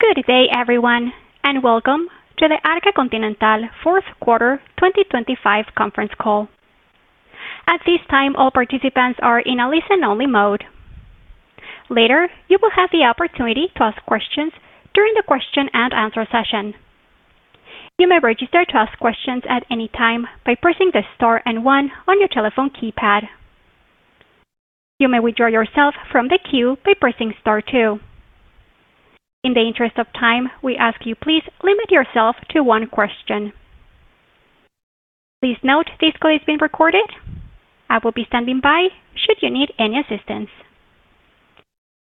Good day, everyone, and welcome to the Arca Continental fourth quarter 2025 conference call. At this time, all participants are in a listen-only mode. Later, you will have the opportunity to ask questions during the question and answer session. You may register to ask questions at any time by pressing the star and one on your telephone keypad. You may withdraw yourself from the queue by pressing star two. In the interest of time, we ask you please limit yourself to one question. Please note, this call is being recorded. I will be standing by should you need any assistance.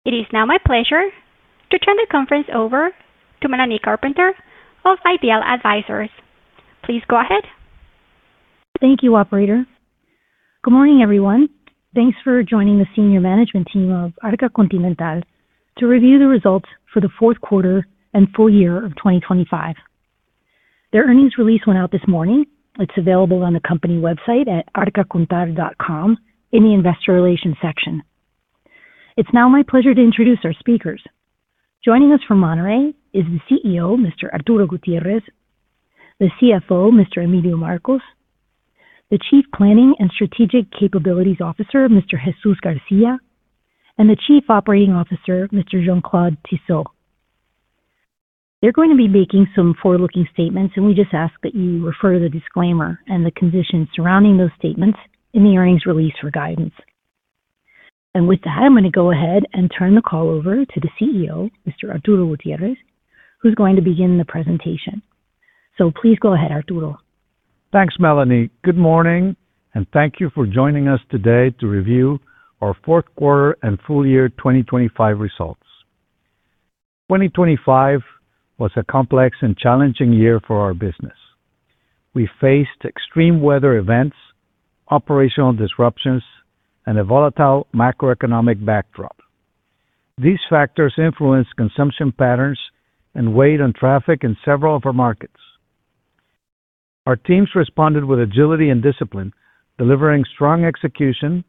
It is now my pleasure to turn the conference over to Melanie Carpenter of IDEAL Advisors. Please go ahead. Thank you, operator. Good morning, everyone. Thanks for joining the senior management team of Arca Continental to review the results for the fourth quarter and full year of 2025. Their earnings release went out this morning. It's available on the company website at arcacontinental.com in the Investor Relations section. It's now my pleasure to introduce our speakers. Joining us from Monterrey is the CEO, Mr. Arturo Gutiérrez, the CFO, Mr. Emilio Marcos, the Chief Planning and Strategic Capabilities Officer, Mr. Jesús García, and the Chief Operating Officer, Mr. Jean-Claude Tissot. They're going to be making some forward-looking statements, and we just ask that you refer to the disclaimer and the conditions surrounding those statements in the earnings release for guidance. With that, I'm going to go ahead and turn the call over to the CEO, Mr. Arturo Gutiérrez, who's going to begin the presentation. Please go ahead, Arturo. Thanks, Melanie. Good morning, and thank you for joining us today to review our fourth quarter and full year 2025 results. 2025 was a complex and challenging year for our business. We faced extreme weather events, operational disruptions, and a volatile macroeconomic backdrop. These factors influenced consumption patterns and weighed on traffic in several of our markets. Our teams responded with agility and discipline, delivering strong execution,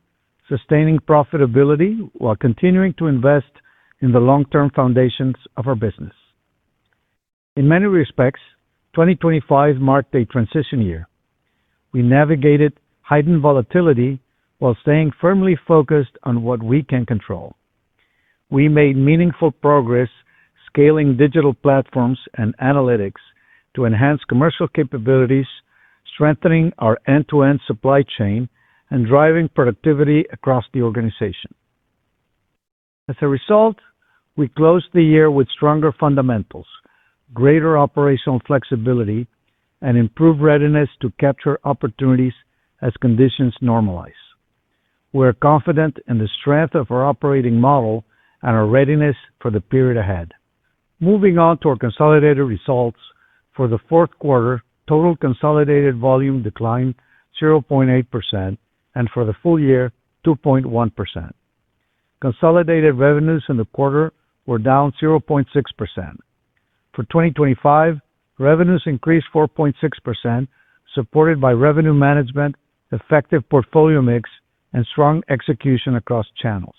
sustaining profitability, while continuing to invest in the long-term foundations of our business. In many respects, 2025 marked a transition year. We navigated heightened volatility while staying firmly focused on what we can control. We made meaningful progress scaling digital platforms and analytics to enhance commercial capabilities, strengthening our end-to-end supply chain, and driving productivity across the organization. As a result, we closed the year with stronger fundamentals, greater operational flexibility, and improved readiness to capture opportunities as conditions normalize. We are confident in the strength of our operating model and our readiness for the period ahead. Moving on to our consolidated results. For the fourth quarter, total consolidated volume declined 0.8%, and for the full year, 2.1%. Consolidated revenues in the quarter were down 0.6%. For 2025, revenues increased 4.6%, supported by revenue management, effective portfolio mix, and strong execution across channels.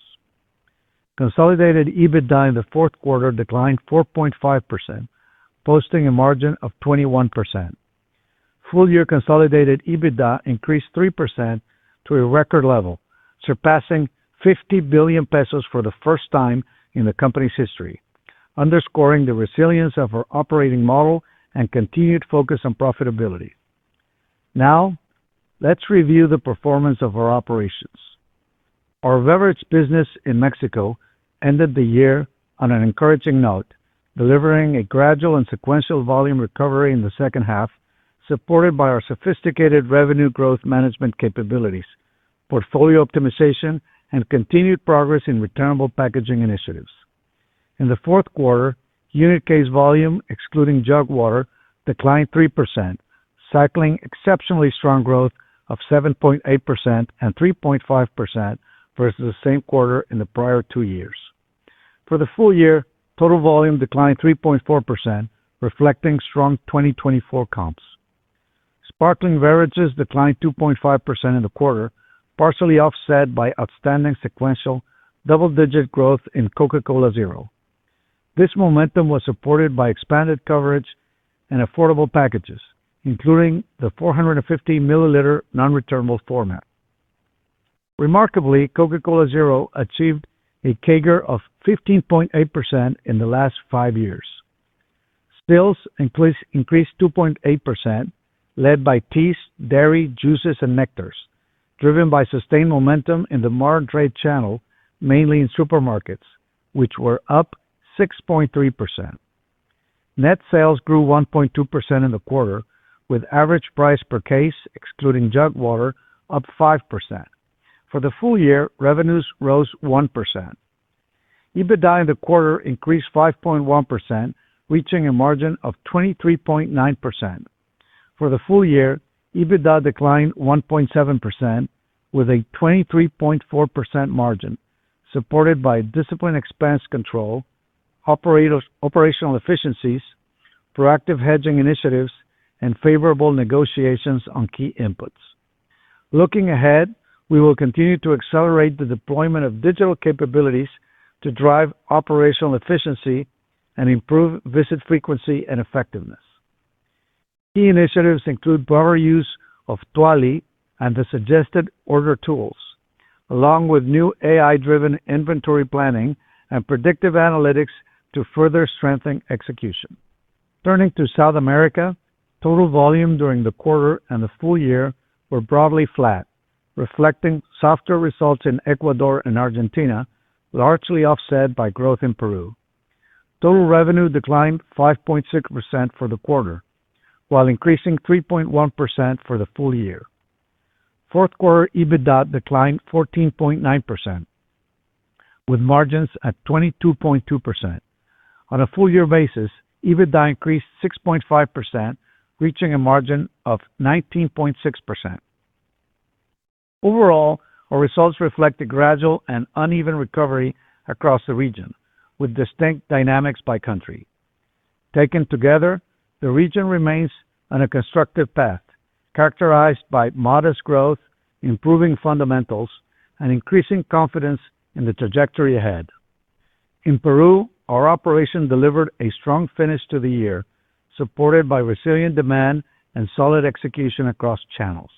Consolidated EBITDA in the fourth quarter declined 4.5%, posting a margin of 21%. Full year consolidated EBITDA increased 3% to a record level, surpassing 50 billion pesos for the first time in the company's history, underscoring the resilience of our operating model and continued focus on profitability. Now, let's review the performance of our operations. Our beverage business in Mexico ended the year on an encouraging note, delivering a gradual and sequential volume recovery in the second half, supported by our sophisticated revenue growth management capabilities, portfolio optimization, and continued progress in returnable packaging initiatives. In the fourth quarter, unit case volume, excluding jug water, declined 3%, cycling exceptionally strong growth of 7.8% and 3.5% versus the same quarter in the prior two years. For the full year, total volume declined 3.4%, reflecting strong 2024 comps. Sparkling beverages declined 2.5% in the quarter, partially offset by outstanding sequential double-digit growth in Coca-Cola Zero. This momentum was supported by expanded coverage and affordable packages, including the 450-milliliter non-returnable format. Remarkably, Coca-Cola Zero achieved a CAGR of 15.8% in the last five years. Stills increased 2.8%, led by teas, dairy, juices, and nectars, driven by sustained momentum in the modern trade channel, mainly in supermarkets, which were up 6.3%. Net sales grew 1.2% in the quarter, with average price per case, excluding jug water, up 5%. For the full year, revenues rose 1%. EBITDA in the quarter increased 5.1%, reaching a margin of 23.9%. For the full year, EBITDA declined 1.7% with a 23.4% margin, supported by disciplined expense control, operational efficiencies, proactive hedging initiatives, and favorable negotiations on key inputs. Looking ahead, we will continue to accelerate the deployment of digital capabilities to drive operational efficiency and improve visit frequency and effectiveness. Key initiatives include broader use of Tuali and the suggested order tools, along with new AI-driven inventory planning and predictive analytics to further strengthen execution. Turning to South America, total volume during the quarter and the full year were broadly flat, reflecting softer results in Ecuador and Argentina, largely offset by growth in Peru. Total revenue declined 5.6% for the quarter, while increasing 3.1% for the full year. Fourth quarter EBITDA declined 14.9%, with margins at 22.2%. On a full year basis, EBITDA increased 6.5%, reaching a margin of 19.6%. Overall, our results reflect a gradual and uneven recovery across the region, with distinct dynamics by country. Taken together, the region remains on a constructive path, characterized by modest growth, improving fundamentals, and increasing confidence in the trajectory ahead. In Peru, our operation delivered a strong finish to the year, supported by resilient demand and solid execution across channels.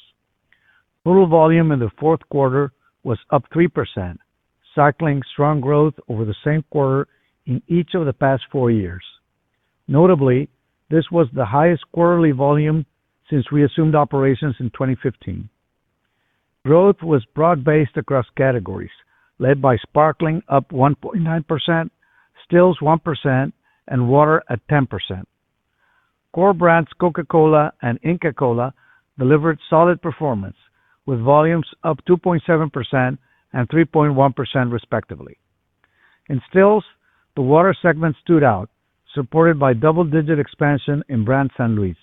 Total volume in the fourth quarter was up 3%, cycling strong growth over the same quarter in each of the past four years. Notably, this was the highest quarterly volume since we assumed operations in 2015. Growth was broad-based across categories, led by sparkling, up 1.9%, stills, 1%, and water at 10%. Core brands Coca-Cola and Inca Kola delivered solid performance, with volumes up 2.7% and 3.1% respectively. In stills, the water segment stood out, supported by double-digit expansion in brand San Luis.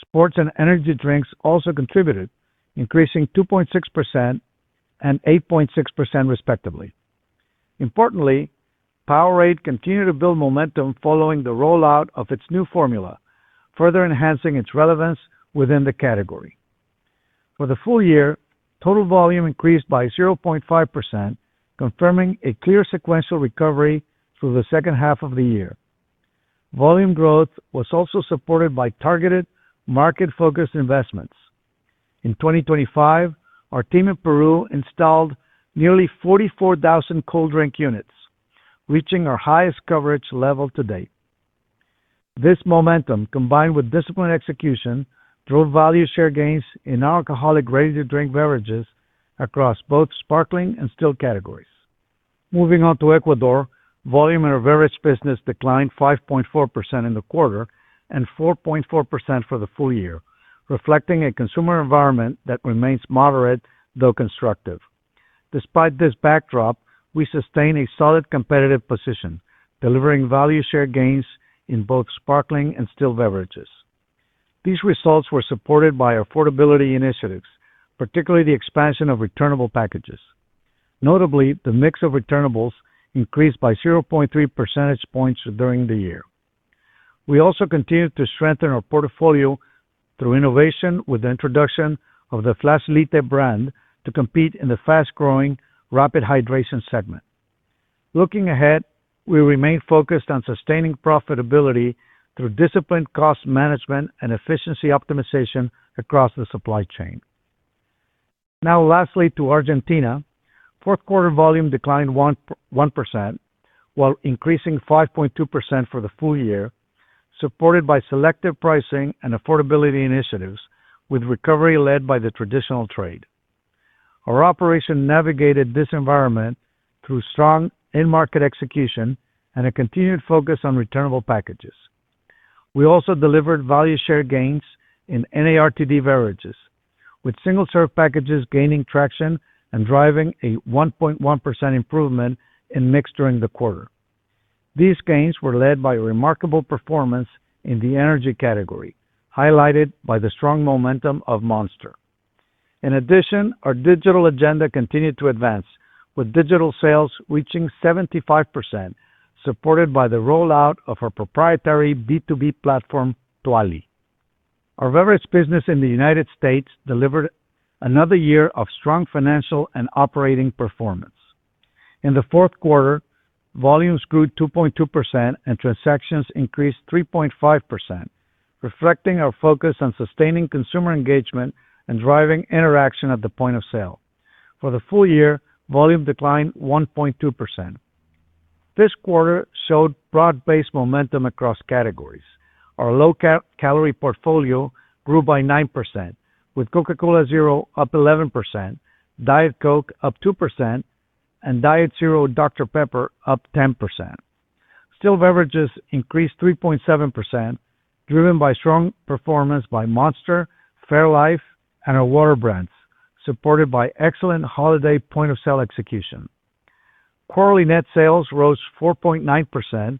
Sports and energy drinks also contributed, increasing 2.6% and 8.6% respectively. Importantly, Powerade continued to build momentum following the rollout of its new formula, further enhancing its relevance within the category. For the full year, total volume increased by 0.5%, confirming a clear sequential recovery through the second half of the year. Volume growth was also supported by targeted market-focused investments. In 2025, our team in Peru installed nearly 44,000 cold drink units, reaching our highest coverage level to date. This momentum, combined with disciplined execution, drove value share gains in alcoholic ready-to-drink beverages across both sparkling and still categories. Moving on to Ecuador, volume in our beverage business declined 5.4% in the quarter and 4.4% for the full year, reflecting a consumer environment that remains moderate, though constructive. Despite this backdrop, we sustain a solid competitive position, delivering value share gains in both sparkling and still beverages. These results were supported by affordability initiatives, particularly the expansion of returnable packages. Notably, the mix of returnables increased by 0.3 percentage points during the year. We also continued to strengthen our portfolio through innovation with the introduction of the Flashlyte brand to compete in the fast-growing, rapid hydration segment. Looking ahead, we remain focused on sustaining profitability through disciplined cost management and efficiency optimization across the supply chain. Now, lastly, to Argentina. Fourth quarter volume declined 1.1%, while increasing 5.2% for the full year, supported by selective pricing and affordability initiatives, with recovery led by the traditional trade. Our operation navigated this environment through strong in-market execution and a continued focus on returnable packages. We also delivered value share gains in NARTD beverages, with single-serve packages gaining traction and driving a 1.1% improvement in mix during the quarter. These gains were led by remarkable performance in the energy category, highlighted by the strong momentum of Monster. In addition, our digital agenda continued to advance, with digital sales reaching 75%, supported by the rollout of our proprietary B2B platform, Tuali. Our beverage business in the United States delivered another year of strong financial and operating performance. In the fourth quarter, volumes grew 2.2% and transactions increased 3.5%, reflecting our focus on sustaining consumer engagement and driving interaction at the point of sale. For the full year, volume declined 1.2%. This quarter showed broad-based momentum across categories. Our low-calorie portfolio grew by 9%, with Coca-Cola Zero up 11%, Diet Coke up 2%, and Diet Dr Pepper Zero up 10%. Still beverages increased 3.7%, driven by strong performance by Monster, fairlife, and our water brands, supported by excellent holiday point-of-sale execution. Quarterly net sales rose 4.9%,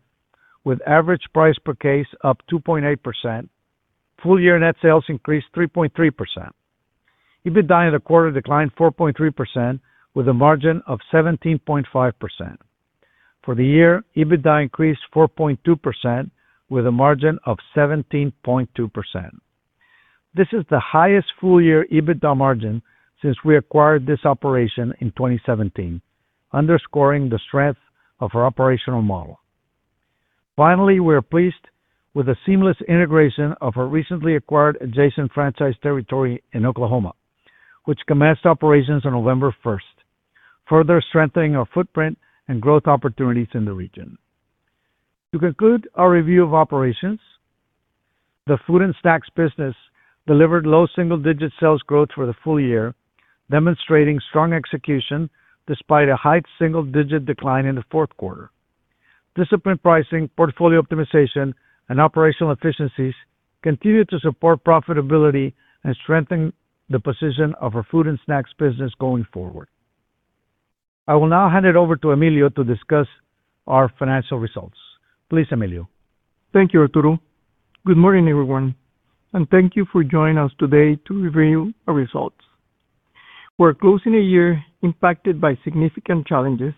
with average price per case up 2.8%. Full year net sales increased 3.3%. EBITDA in the quarter declined 4.3%, with a margin of 17.5%. For the year, EBITDA increased 4.2% with a margin of 17.2%. This is the highest full-year EBITDA margin since we acquired this operation in 2017, underscoring the strength of our operational model. Finally, we are pleased with the seamless integration of our recently acquired adjacent franchise territory in Oklahoma, which commenced operations on November first, further strengthening our footprint and growth opportunities in the region. To conclude our review of operations, the food and snacks business delivered low single-digit sales growth for the full year, demonstrating strong execution despite a high single-digit decline in the fourth quarter. Disciplined pricing, portfolio optimization, and operational efficiencies continued to support profitability and strengthen the position of our food and snacks business going forward. I will now hand it over to Emilio to discuss our financial results. Please, Emilio. Thank you, Arturo. Good morning, everyone, and thank you for joining us today to review our results. We're closing a year impacted by significant challenges,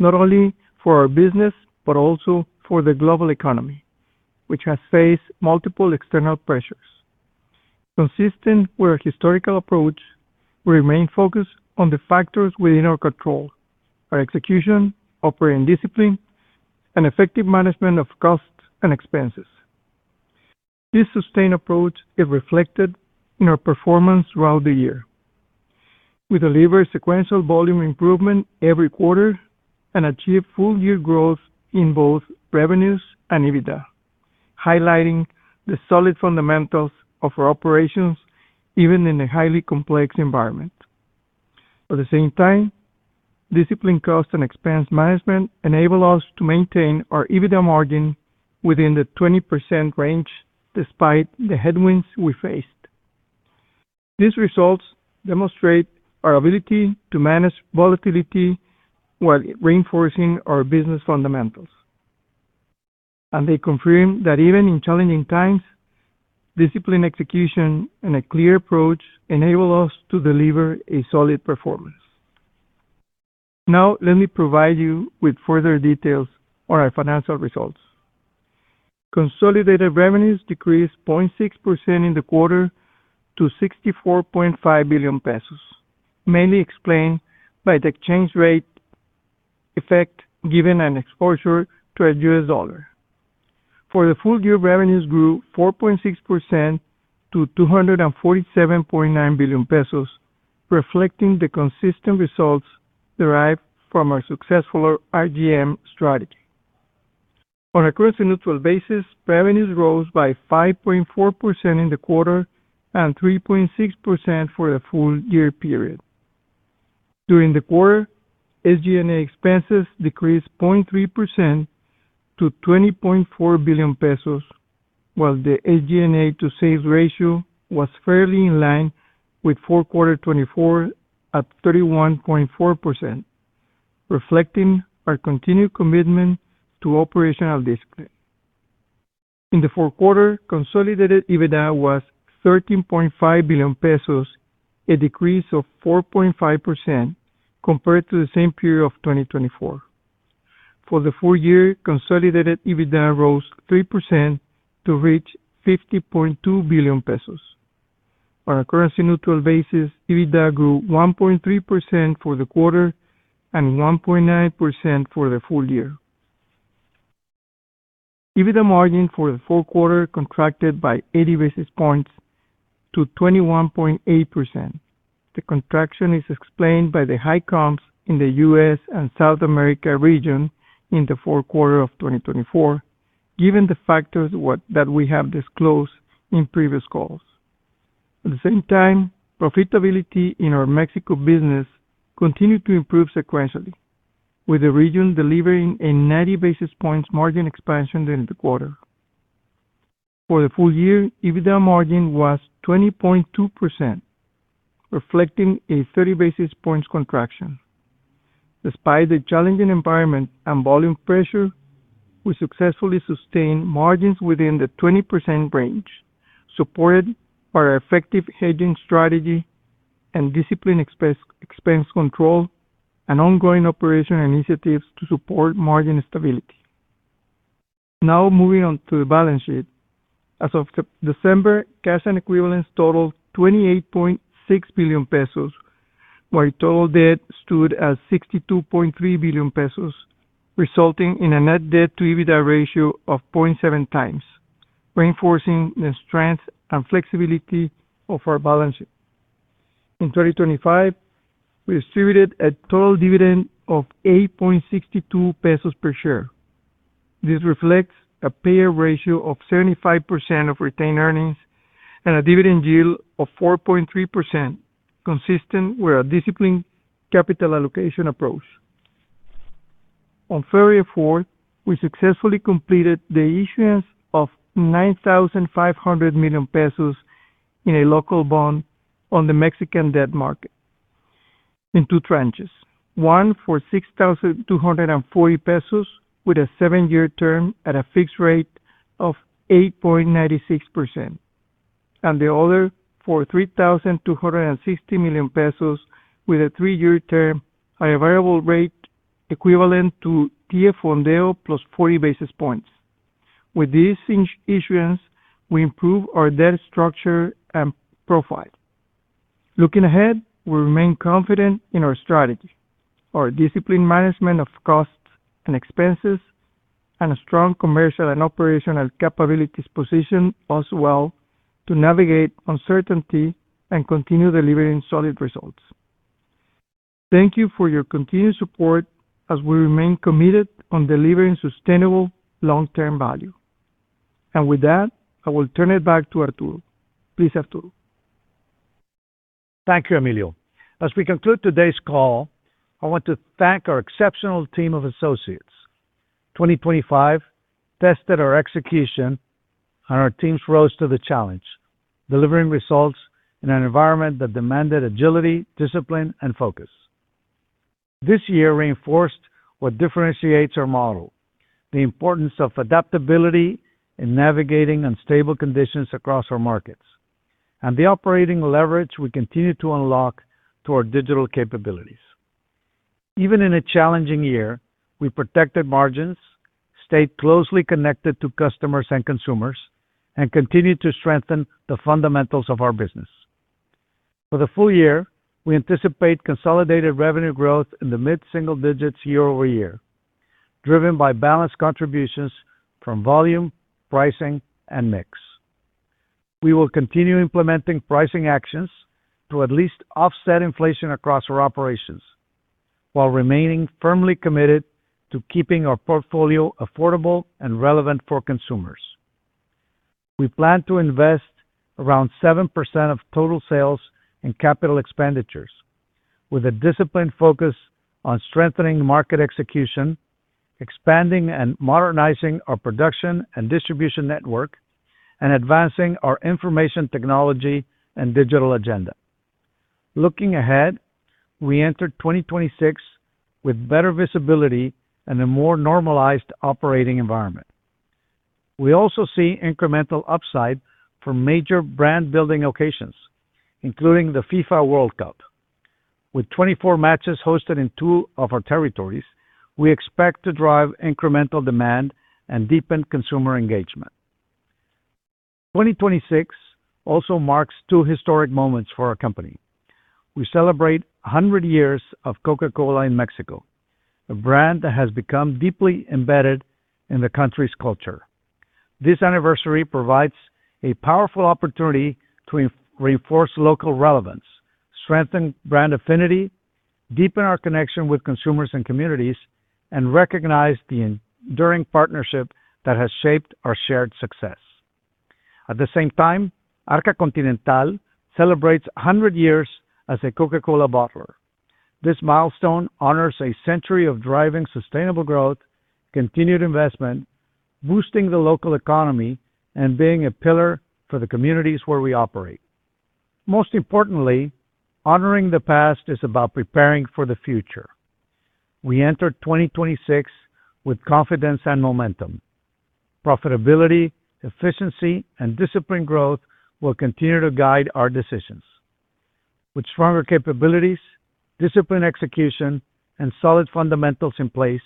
not only for our business, but also for the global economy, which has faced multiple external pressures. Consistent with our historical approach, we remain focused on the factors within our control, our execution, operating discipline, and effective management of costs and expenses. This sustained approach is reflected in our performance throughout the year. We delivered sequential volume improvement every quarter and achieved full year growth in both revenues and EBITDA, highlighting the solid fundamentals of our operations, even in a highly complex environment. At the same time, disciplined cost and expense management enable us to maintain our EBITDA margin within the 20% range, despite the headwinds we faced. These results demonstrate our ability to manage volatility while reinforcing our business fundamentals. They confirm that even in challenging times, disciplined execution and a clear approach enable us to deliver a solid performance. Now, let me provide you with further details on our financial results. Consolidated revenues decreased 0.6% in the quarter to 64.5 billion pesos, mainly explained by the exchange rate effect, given an exposure to the U.S. dollar. For the full year, revenues grew 4.6% to 247.9 billion pesos, reflecting the consistent results derived from our successful RGM strategy. On a currency neutral basis, revenues rose by 5.4% in the quarter and 3.6% for the full year period. During the quarter, SG&A expenses decreased 0.3% to 20.4 billion pesos, while the SG&A to sales ratio was fairly in line with fourth quarter 2024 at 31.4%, reflecting our continued commitment to operational discipline. In the fourth quarter, consolidated EBITDA was 13.5 billion pesos, a decrease of 4.5% compared to the same period of 2024. For the full year, consolidated EBITDA rose 3% to reach 50.2 billion pesos. On a currency neutral basis, EBITDA grew 1.3% for the quarter and 1.9% for the full year. EBITDA margin for the fourth quarter contracted by eighty basis points to 21.8%. The contraction is explained by the high comps in the U.S. and South America region in the fourth quarter of 2024, given the factors that we have disclosed in previous calls. At the same time, profitability in our Mexico business continued to improve sequentially, with the region delivering a 90 basis points margin expansion during the quarter. For the full year, EBITDA margin was 20.2%, reflecting a 30 basis points contraction. Despite the challenging environment and volume pressure, we successfully sustained margins within the 20% range, supported by our effective hedging strategy and disciplined expense control and ongoing operation initiatives to support margin stability. Now, moving on to the balance sheet. As of December, cash and equivalents totaled 28.6 billion pesos, while total debt stood at 62.3 billion pesos, resulting in a net debt to EBITDA ratio of 0.7x, reinforcing the strength and flexibility of our balance sheet. In 2025, we distributed a total dividend of 8.62 pesos per share. This reflects a payout ratio of 75% of retained earnings and a dividend yield of 4.3%, consistent with our disciplined capital allocation approach. On February 4, we successfully completed the issuance of 9.5 billion pesos in a local bond on the Mexican debt market in two tranches, one for 6.24 billion pesos, with a seven-year term at a fixed rate of 8.96%. And the other for 3,260 million pesos, with a three year term at a variable rate equivalent to TIIE +40 basis points. With these issuance, we improve our debt structure and profile. Looking ahead, we remain confident in our strategy. Our disciplined management of costs and expenses, and a strong commercial and operational capabilities position us well to navigate uncertainty and continue delivering solid results. Thank you for your continued support as we remain committed on delivering sustainable long-term value. And with that, I will turn it back to Arturo. Please, Arturo. Thank you, Emilio. As we conclude today's call, I want to thank our exceptional team of associates. 2025 tested our execution, and our teams rose to the challenge, delivering results in an environment that demanded agility, discipline, and focus. This year reinforced what differentiates our model, the importance of adaptability in navigating unstable conditions across our markets, and the operating leverage we continue to unlock through our digital capabilities. Even in a challenging year, we protected margins, stayed closely connected to customers and consumers, and continued to strengthen the fundamentals of our business. For the full year, we anticipate consolidated revenue growth in the mid-single digits year-over-year, driven by balanced contributions from volume, pricing, and mix. We will continue implementing pricing actions to at least offset inflation across our operations, while remaining firmly committed to keeping our portfolio affordable and relevant for consumers. We plan to invest around 7% of total sales in capital expenditures, with a disciplined focus on strengthening market execution, expanding and modernizing our production and distribution network, and advancing our information technology and digital agenda. Looking ahead, we enter 2026 with better visibility and a more normalized operating environment. We also see incremental upside from major brand-building occasions, including the FIFA World Cup. With 24 matches hosted in two of our territories, we expect to drive incremental demand and deepen consumer engagement. 2026 also marks two historic moments for our company. We celebrate 100 years of Coca-Cola in Mexico, a brand that has become deeply embedded in the country's culture. This anniversary provides a powerful opportunity to reinforce local relevance, strengthen brand affinity, deepen our connection with consumers and communities, and recognize the enduring partnership that has shaped our shared success. At the same time, Arca Continental celebrates 100 years as a Coca-Cola bottler. This milestone honors a century of driving sustainable growth, continued investment, boosting the local economy, and being a pillar for the communities where we operate. Most importantly, honoring the past is about preparing for the future. We enter 2026 with confidence and momentum. Profitability, efficiency, and disciplined growth will continue to guide our decisions. With stronger capabilities, disciplined execution, and solid fundamentals in place,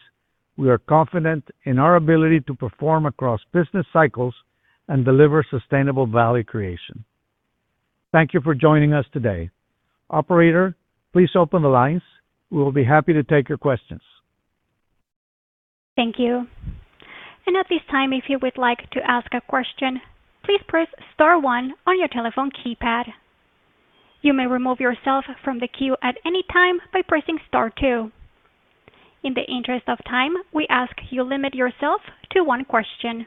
we are confident in our ability to perform across business cycles and deliver sustainable value creation. Thank you for joining us today. Operator, please open the lines. We will be happy to take your questions. Thank you. At this time, if you would like to ask a question, please press star one on your telephone keypad. You may remove yourself from the queue at any time by pressing star two. In the interest of time, we ask you limit yourself to one question.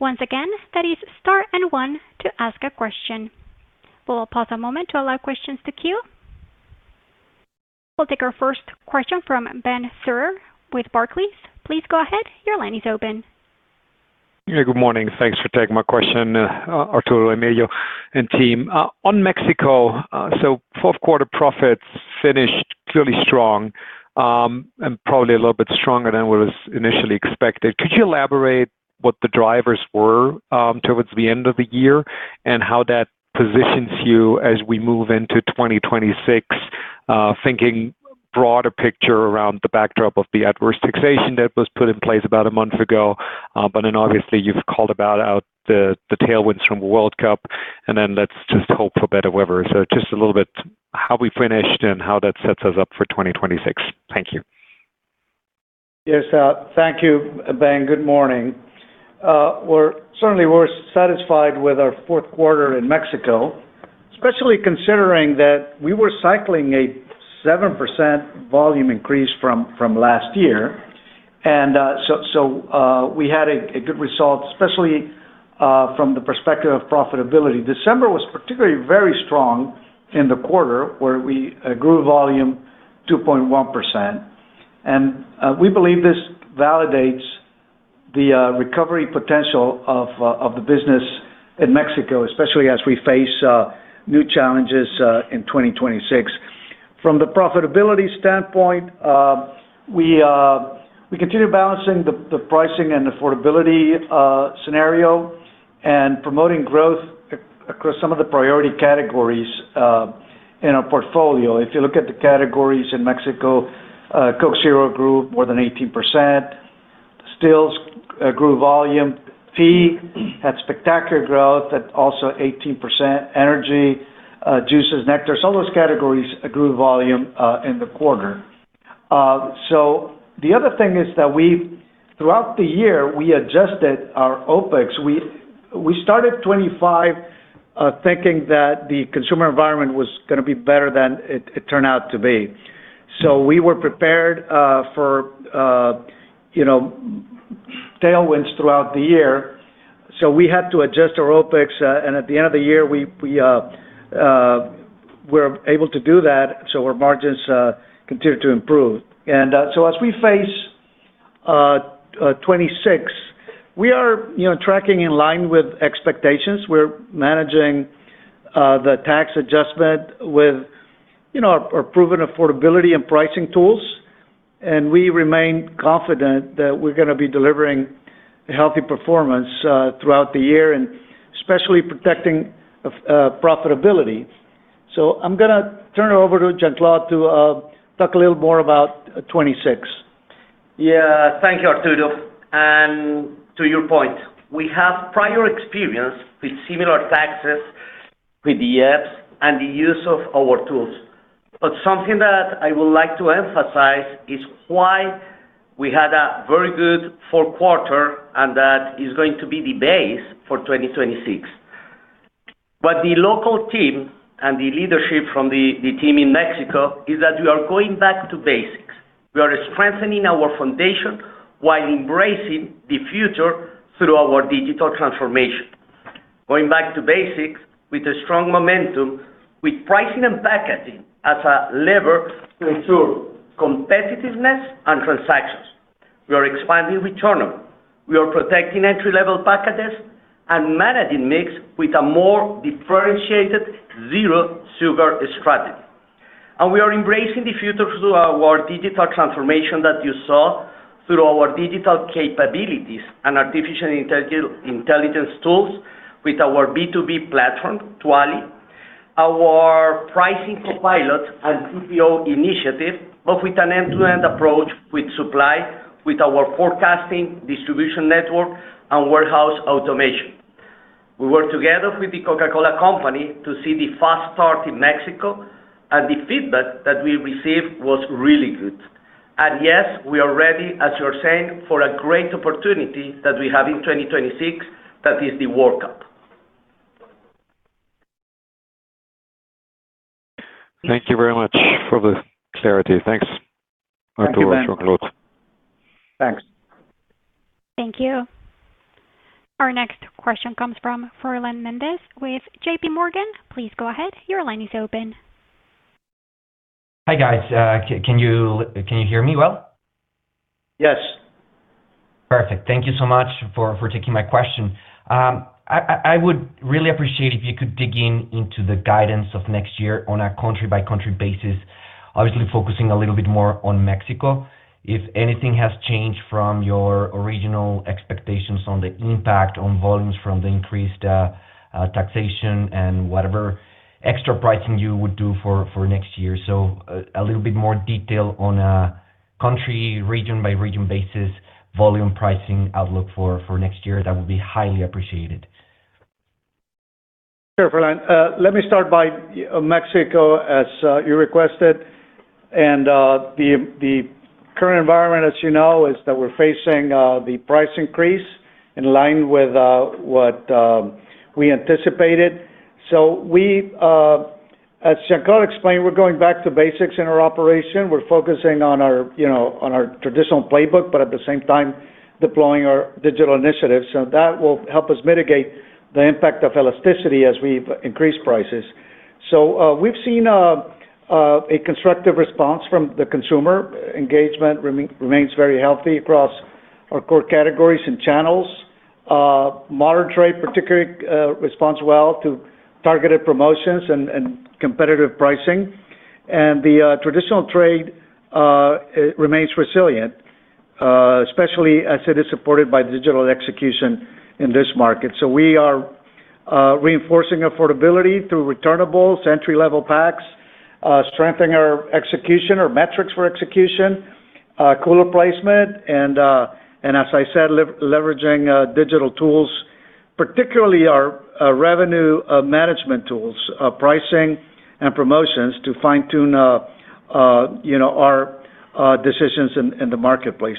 Once again, that is star and one to ask a question. We'll pause a moment to allow questions to queue. We'll take our first question from Ben Theurer with Barclays. Please go ahead. Your line is open. Yeah, good morning. Thanks for taking my question, Arturo, Emilio, and team. On Mexico, so fourth quarter profits finished clearly strong, and probably a little bit stronger than what was initially expected. Could you elaborate what the drivers were, towards the end of the year, and how that positions you as we move into 2026? Thinking broader picture around the backdrop of the adverse taxation that was put in place about a month ago. But then obviously, you've called out the tailwinds from the World Cup, and then let's just hope for better weather. So just a little bit, how we finished and how that sets us up for 2026. Thank you. Yes, thank you, Ben. Good morning. We're certainly satisfied with our fourth quarter in Mexico, especially considering that we were cycling a 7% volume increase from last year. So, we had a good result, especially from the perspective of profitability. December was particularly very strong in the quarter, where we grew volume 2.1%. We believe this validates the recovery potential of the business in Mexico, especially as we face new challenges in 2026. From the profitability standpoint, we continue balancing the pricing and affordability scenario and promoting growth across some of the priority categories in our portfolio. If you look at the categories in Mexico, Coke Zero grew more than 18%, Stills grew volume, Tea had spectacular growth at also 18%, Energy, juices, Nectars, all those categories grew volume in the quarter. So the other thing is that we've throughout the year, we adjusted our OpEx. We started 2025 thinking that the consumer environment was gonna be better than it turned out to be. So we were prepared for you know tailwinds throughout the year, so we had to adjust our OpEx and at the end of the year, we were able to do that, so our margins continued to improve. So as we face 2026, we are you know tracking in line with expectations. We're managing the tax adjustment with you know our proven affordability and pricing tools, and we remain confident that we're gonna be delivering a healthy performance throughout the year, and especially protecting profitability. So I'm gonna turn it over to Jean-Claude to talk a little more about 2026. Yeah. Thank you, Arturo. And to your point, we have prior experience with similar taxes, with the IEPS and the use of our tools. But something that I would like to emphasize is why we had a very good fourth quarter, and that is going to be the base for 2026. But the local team and the leadership from the team in Mexico is that we are going back to basics. We are strengthening our foundation while embracing the future through our digital transformation. Going back to basics with a strong momentum, with pricing and packaging as a lever to ensure competitiveness and transactions. We are expanding returnables, we are protecting entry-level packages and managing mix with a more differentiated zero sugar strategy. We are embracing the future through our digital transformation that you saw, through our digital capabilities and artificial intelligence tools with our B2B platform, Tuali, our pricing pilot and CPO initiative, but with an end-to-end approach with supply, with our forecasting, distribution network and warehouse automation. We work together with the Coca-Cola Company to see the fast start in Mexico, and the feedback that we received was really good. And yes, we are ready, as you're saying, for a great opportunity that we have in 2026, that is the World Cup. Thank you very much for the clarity. Thanks, Arturo, Jean-Claude. Thanks. Thank you. Our next question comes from Fernan Mendes with JPMorgan. Please go ahead. Your line is open. Hi, guys. Can you hear me well? Yes. Perfect. Thank you so much for taking my question. I would really appreciate if you could dig in into the guidance of next year on a country-by-country basis, obviously focusing a little bit more on Mexico, if anything has changed from your original expectations on the impact on volumes from the increased taxation and whatever extra pricing you would do for next year. So a little bit more detail on a country, region-by-region basis, volume pricing outlook for next year, that would be highly appreciated. Sure, Fernan. Let me start by Mexico, as you requested. And the current environment, as you know, is that we're facing the price increase in line with what we anticipated. So we, as Jean-Claude explained, we're going back to basics in our operation. We're focusing on our, you know, on our traditional playbook, but at the same time, deploying our digital initiatives. So that will help us mitigate the impact of elasticity as we increase prices. So we've seen a constructive response from the consumer. Engagement remains very healthy across our core categories and channels. Modern trade, particularly, responds well to targeted promotions and competitive pricing. And the traditional trade, it remains resilient, especially as it is supported by digital execution in this market. So we are reinforcing affordability through returnables to entry-level packs, strengthening our execution or metrics for execution, cooler placement, and, and as I said, leveraging digital tools, particularly our revenue management tools, pricing and promotions to fine-tune, you know, our decisions in the marketplace.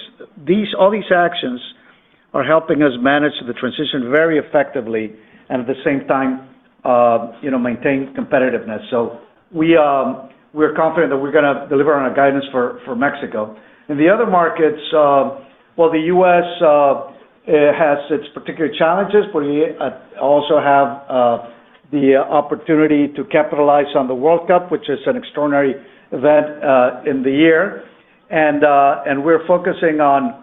All these actions are helping us manage the transition very effectively and at the same time, you know, maintain competitiveness. So we're confident that we're gonna deliver on our guidance for Mexico. In the other markets, well, the U.S. has its particular challenges, but we also have the opportunity to capitalize on the World Cup, which is an extraordinary event in the year. And, and we're focusing on.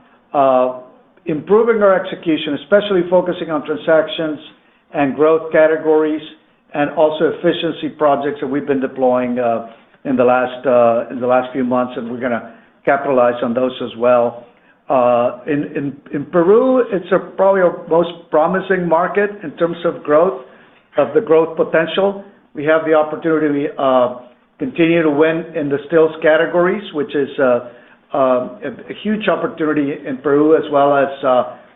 Improving our execution, especially focusing on transactions and growth categories, and also efficiency projects that we've been deploying in the last few months, and we're gonna capitalize on those as well. In Peru, it's probably our most promising market in terms of growth, of the growth potential. We have the opportunity to continue to win in the stills categories, which is a huge opportunity in Peru, as well as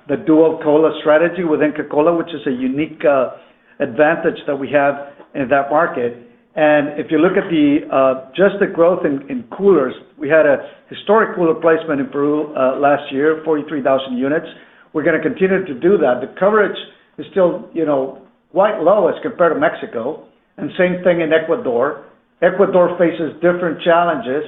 the dual cola strategy within Coca-Cola, which is a unique advantage that we have in that market. And if you look at the just the growth in coolers, we had a historic cooler placement in Peru last year, 43,000 units. We're gonna continue to do that. The coverage is still, you know, quite low as compared to Mexico, and same thing in Ecuador. Ecuador faces different challenges.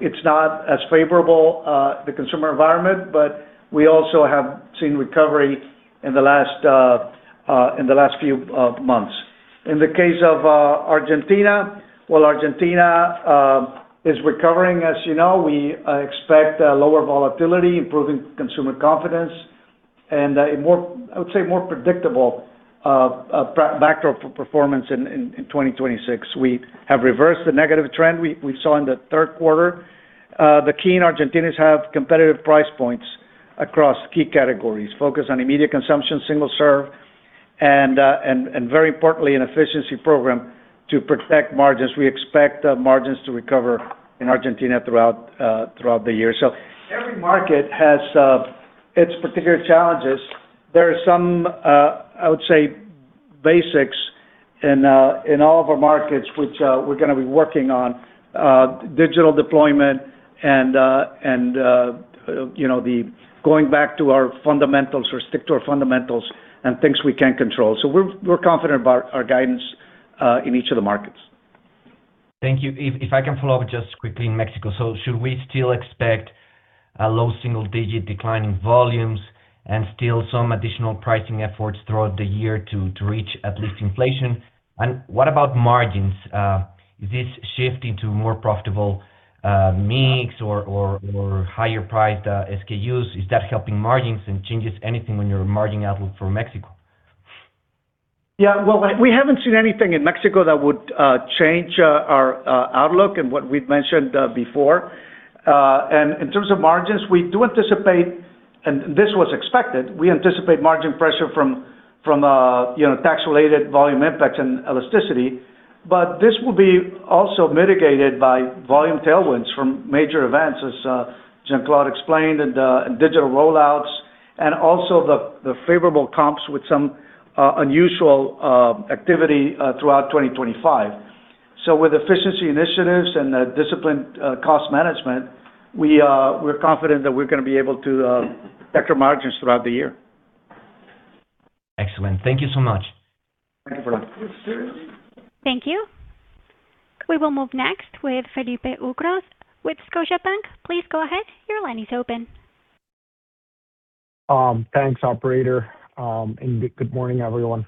It's not as favorable, the consumer environment, but we also have seen recovery in the last few months. In the case of Argentina, well, Argentina is recovering, as you know. We expect lower volatility, improving consumer confidence, and a more, I would say, more predictable backdrop for performance in 2026. We have reversed the negative trend we saw in the third quarter. The key in Argentina is have competitive price points across key categories, focus on immediate consumption, single serve, and very importantly, an efficiency program to protect margins. We expect margins to recover in Argentina throughout the year. So every market has its particular challenges. There are some, I would say, basics in all of our markets, which we're gonna be working on, digital deployment and, you know, the going back to our fundamentals or stick to our fundamentals and things we can control. So we're confident about our guidance in each of the markets. Thank you. If I can follow up just quickly in Mexico. So should we still expect a low single-digit decline in volumes and still some additional pricing efforts throughout the year to reach at least inflation? And what about margins? Is this shift into more profitable mix or higher priced SKUs, is that helping margins and changes anything when your margin outlook for Mexico? Yeah, well, we haven't seen anything in Mexico that would change our outlook and what we've mentioned before. And in terms of margins, we do anticipate, and this was expected, we anticipate margin pressure from you know, tax-related volume impacts and elasticity. But this will be also mitigated by volume tailwinds from major events, as Jean-Claude explained, and digital rollouts, and also the favorable comps with some unusual activity throughout 2025. So with efficiency initiatives and the disciplined cost management, we're confident that we're gonna be able to protect our margins throughout the year. Excellent. Thank you so much. Thank you. Thank you. We will move next with Felipe Ucros with Scotiabank. Please go ahead. Your line is open. Thanks, operator, and good morning, everyone.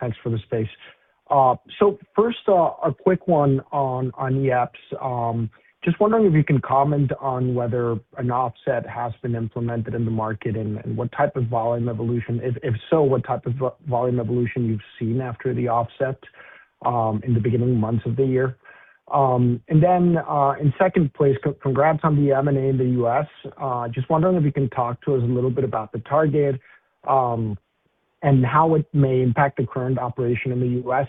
Thanks for the space. So first, a quick one on the apps. Just wondering if you can comment on whether an offset has been implemented in the market, and what type of volume evolution? If so, what type of volume evolution you've seen after the offset, in the beginning months of the year? And then, in second place, congrats on the M&A in the U.S. Just wondering if you can talk to us a little bit about the target, and how it may impact the current operation in the U.S.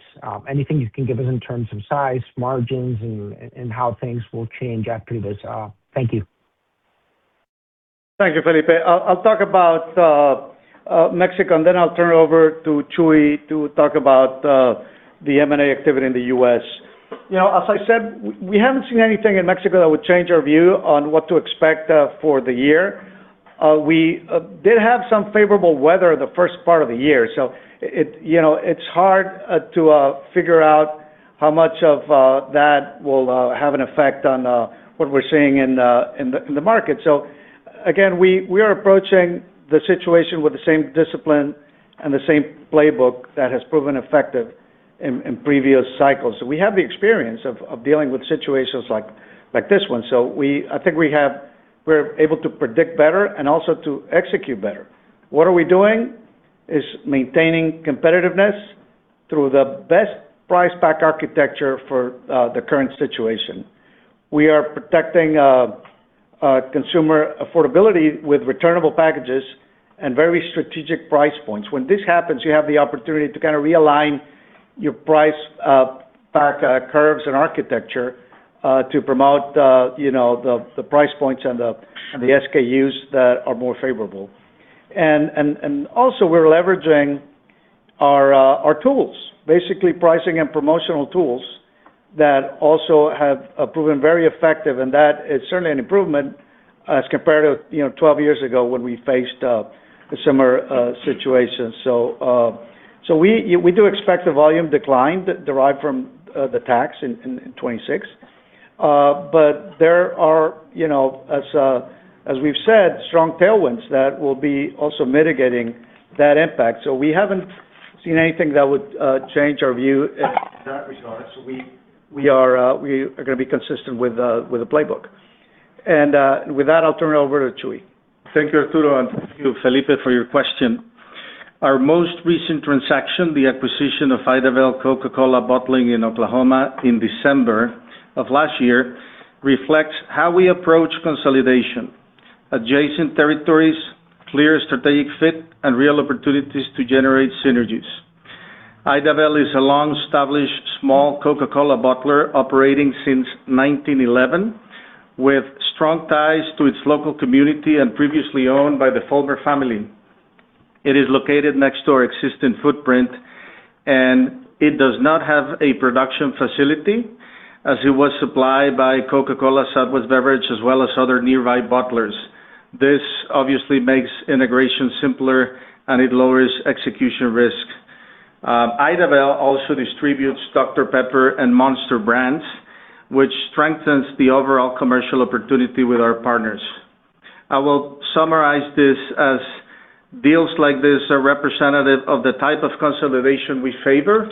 Anything you can give us in terms of size, margins, and how things will change after this? Thank you. Thank you, Felipe. I'll talk about Mexico, and then I'll turn it over to Chuy to talk about the M&A activity in the U.S. You know, as I said, we haven't seen anything in Mexico that would change our view on what to expect for the year. We did have some favorable weather the first part of the year, so it, you know, it's hard to figure out how much of that will have an effect on what we're seeing in the market. So again, we are approaching the situation with the same discipline and the same playbook that has proven effective in previous cycles. So we have the experience of dealing with situations like this one. So we... I think we have, we're able to predict better and also to execute better. What are we doing? Maintaining competitiveness through the best price pack architecture for the current situation. We are protecting consumer affordability with returnable packages and very strategic price points. When this happens, you have the opportunity to kind of realign your price pack curves and architecture to promote, you know, the price points and the SKUs that are more favorable. And also we're leveraging our tools, basically pricing and promotional tools, that also have proven very effective, and that is certainly an improvement as compared to, you know, 12 years ago when we faced a similar situation. So, we do expect a volume decline derived from the tax in 2026. But there are, you know, as we've said, strong tailwinds that will be also mitigating that impact. So we haven't seen anything that would change our view in that regards. We are gonna be consistent with the playbook. With that, I'll turn it over to Chuy. Thank you, Arturo, and thank you, Felipe, for your question. Our most recent transaction, the acquisition of Idabel Coca-Cola Bottling in Oklahoma in December of last year, reflects how we approach consolidation, adjacent territories, clear strategic fit, and real opportunities to generate synergies. Idabel is a long-established, small Coca-Cola bottler operating since 1911, with strong ties to its local community and previously owned by the Folger family. It is located next to our existing footprint, and it does not have a production facility as it was supplied by Coca-Cola Southwest Beverages, as well as other nearby bottlers. This obviously makes integration simpler and it lowers execution risk. Idabel also distributes Dr Pepper and Monster brands, which strengthens the overall commercial opportunity with our partners. I will summarize this as deals like this are representative of the type of consolidation we favor.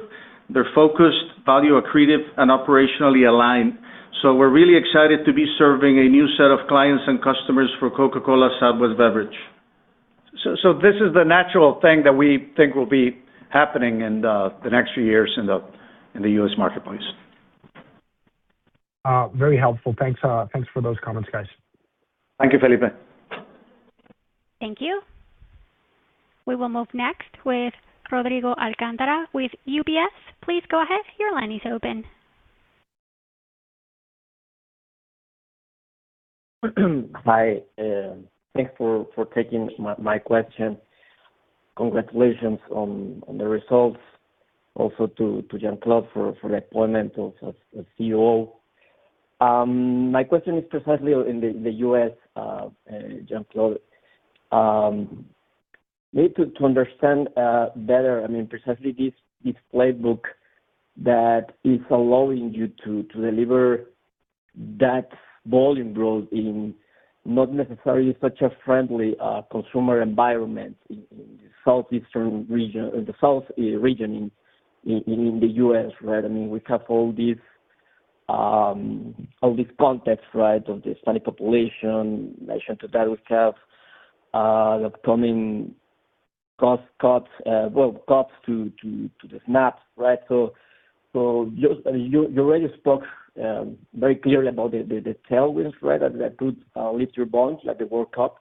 They're focused, value accretive, and operationally aligned. So we're really excited to be serving a new set of clients and customers for Coca-Cola Southwest Beverages. So, this is the natural thing that we think will be happening in the next few years in the U.S. marketplace. Very helpful. Thanks, thanks for those comments, guys. Thank you, Felipe. Thank you. We will move next with Rodrigo Alcántara with UBS. Please go ahead. Your line is open. Hi, thanks for taking my question. Congratulations on the results, also to Jean-Claude for the appointment of CEO. My question is precisely in the U.S., Jean-Claude. Need to understand better, I mean, precisely this playbook that is allowing you to deliver that volume growth in not necessarily such a friendly consumer environment in the southeastern region, in the south region in the U.S., right? I mean, we have all this context, right, of the Hispanic population, mentioned that we have the upcoming cost cuts, well, cuts to the SNAP, right? So you already spoke very clearly about the tailwinds, right, that could lift your bonds, like the World Cup,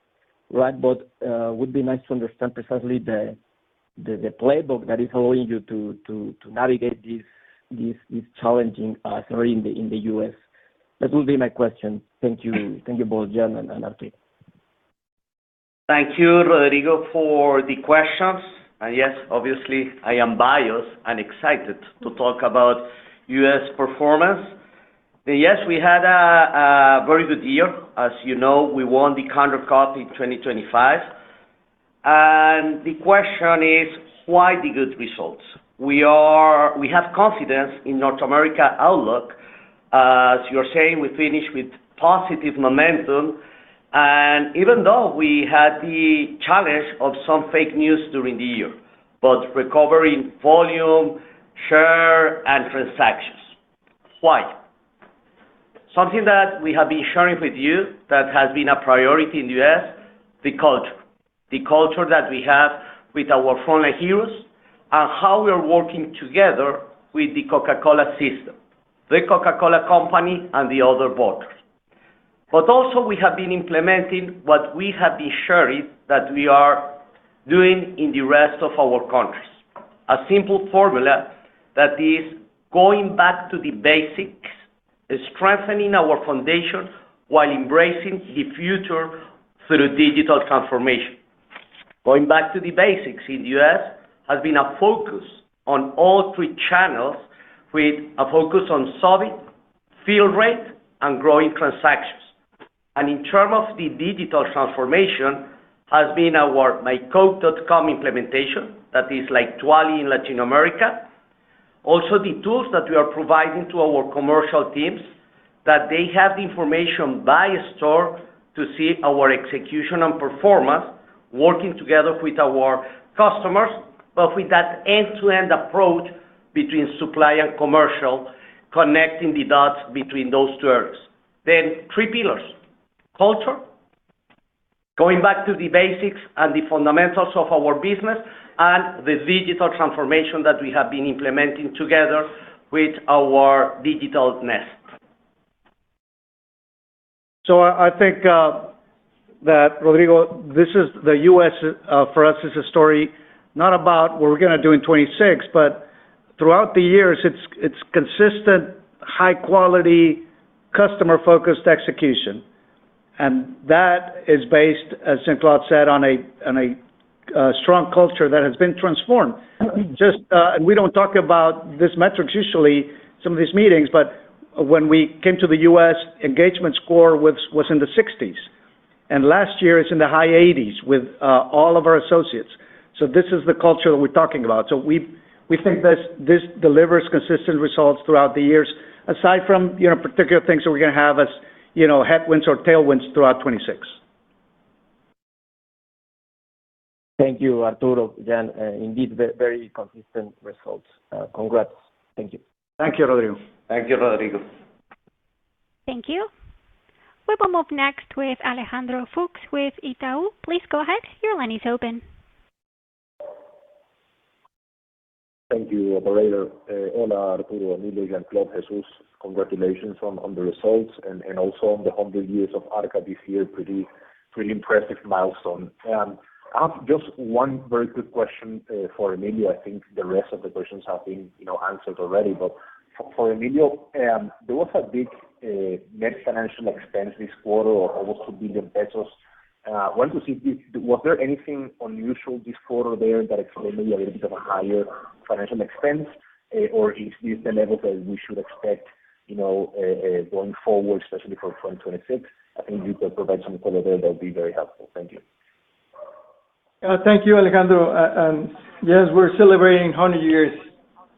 right? But would be nice to understand precisely the playbook that is allowing you to navigate this challenging area in the U.S. That would be my question. Thank you. Thank you both, Jean and Arturo. Thank you, Rodrigo, for the questions. Yes, obviously, I am biased and excited to talk about U.S. performance. Yes, we had a very good year. As you know, we won the Candler Cup in 2025. The question is, why the good results? We have confidence in North America outlook. As you're saying, we finished with positive momentum, and even though we had the challenge of some fake news during the year, but recovery in volume, share, and transactions. Why? Something that we have been sharing with you that has been a priority in the U.S., the culture. The culture that we have with our frontline heroes and how we are working together with the Coca-Cola system, the Coca-Cola Company, and the other bottlers. But also, we have been implementing what we have been sharing that we are doing in the rest of our countries. A simple formula that is going back to the basics, strengthening our foundation while embracing the future through digital transformation. Going back to the basics in the U.S. has been a focus on all three channels, with a focus on solving fill rate and growing transactions. And in terms of the digital transformation has been our, MyCoke.com implementation, that is like Tuali in Latin America. Also, the tools that we are providing to our commercial teams, that they have the information by store to see our execution and performance, working together with our customers, but with that end-to-end approach between supply and commercial, connecting the dots between those two areas. Then three pillars: culture, going back to the basics and the fundamentals of our business, and the digital transformation that we have been implementing together with our Digital Next. So I think that, Rodrigo, this is the U.S., for us, is a story not about what we're gonna do in 2026, but throughout the years, it's consistent, high quality, customer-focused execution. And that is based, as Jean-Claude said, on a strong culture that has been transformed. Just and we don't talk about these metrics, usually, some of these meetings, but when we came to the U.S., engagement score was in the 60s, and last year, it's in the high 80s with all of our associates. So this is the culture that we're talking about. So we think this delivers consistent results throughout the years, aside from, you know, particular things that we're gonna have as, you know, headwinds or tailwinds throughout 2026. Thank you, Arturo. Again, indeed, very consistent results. Congrats. Thank you. Thank you, Rodrigo. Thank you, Rodrigo. Thank you. We will move next with Alejandro Fuchs with Itaú. Please go ahead. Your line is open. Thank you, operator. Hola, Arturo, Emilio, and Jean Claude, Jesús, congratulations on the results and also on the 100 years of Arca this year. Pretty impressive milestone. I have just one very quick question for Emilio. I think the rest of the questions have been, you know, answered already. For Emilio, there was a big net financial expense this quarter or almost 2 billion pesos. I want to see if... Was there anything unusual this quarter there that explained maybe a little bit of a higher financial expense or is this the level that we should expect, you know, going forward, especially for 2026? I think if you could provide some color there, that'd be very helpful. Thank you. Thank you, Alejandro. And yes, we're celebrating 100 years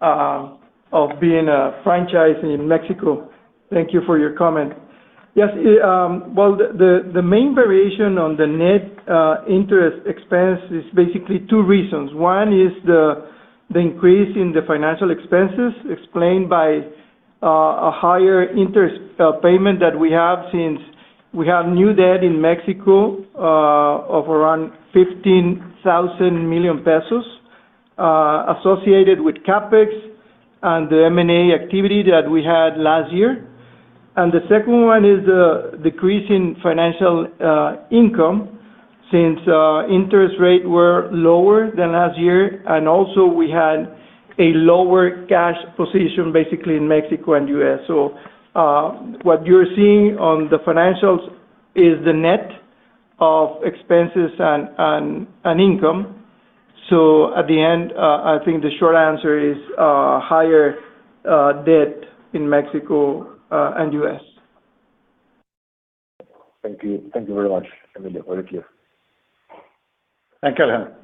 of being a franchise in Mexico. Thank you for your comment. Yes, well, the main variation on the net interest expense is basically two reasons. One is the increase in the financial expenses, explained by a higher interest payment that we have since we have new debt in Mexico of around 15,000 million pesos associated with CapEx and the M&A activity that we had last year. And the second one is the decrease in financial income since interest rate were lower than last year, and also we had a lower cash position, basically, in Mexico and U.S. So, what you're seeing on the financials is the net of expenses and income. At the end, I think the short answer is higher debt in Mexico and U.S. Thank you. Thank you very much, Emilio. Very clear. Thank you, Alejandro.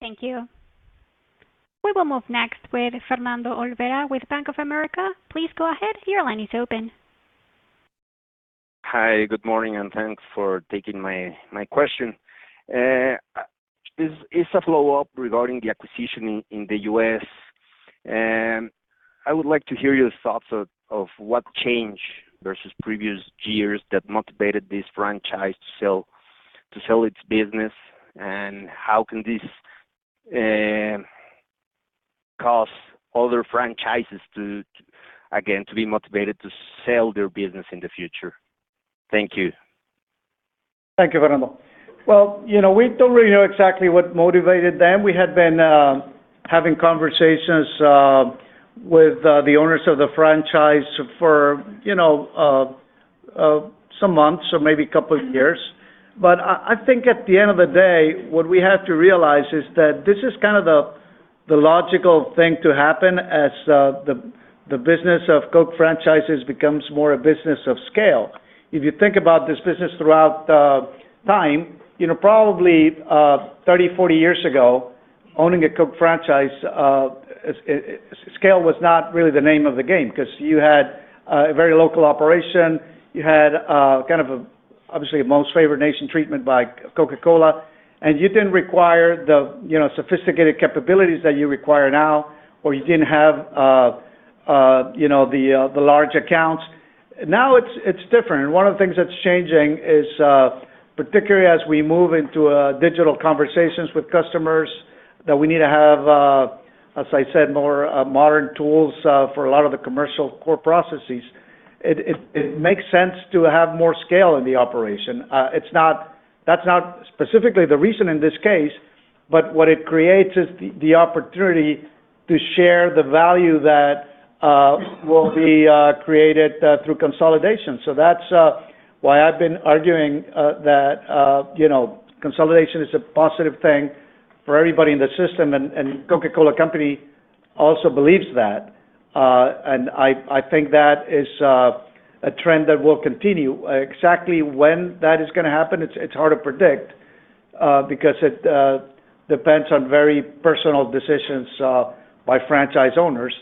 Thank you. We will move next with Fernando Olvera, with Bank of America. Please go ahead. Your line is open. Hi, good morning, and thanks for taking my question. It's a follow-up regarding the acquisition in the U.S. And I would like to hear your thoughts of what changed versus previous years that motivated this franchise to sell its business, and how can this cause other franchises to again be motivated to sell their business in the future? Thank you. Thank you, Fernando. Well, you know, we don't really know exactly what motivated them. We had been having conversations with the owners of the franchise for, you know, some months or maybe a couple of years. But I think at the end of the day, what we have to realize is that this is kind of the logical thing to happen as the business of Coke franchises becomes more a business of scale. If you think about this business throughout time, you know, probably 30, 40 years ago, owning a Coke franchise scale was not really the name of the game because you had a very local operation. You had, kind of, obviously, a most favored nation treatment by Coca-Cola, and you didn't require the, you know, sophisticated capabilities that you require now, or you didn't have, you know, the large accounts. Now it's different, and one of the things that's changing is, particularly as we move into digital conversations with customers, that we need to have, as I said, more modern tools for a lot of the commercial core processes. It makes sense to have more scale in the operation. It's not. That's not specifically the reason in this case, but what it creates is the opportunity to share the value that will be created through consolidation. That's why I've been arguing that, you know, consolidation is a positive thing for everybody in the system, and Coca-Cola Company also believes that. I think that is a trend that will continue. Exactly when that is gonna happen, it's hard to predict, because it depends on very personal decisions by franchise owners.